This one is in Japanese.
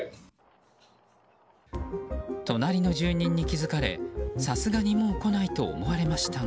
隣の住人に気づかれさすがにもう来ないと思われましたが。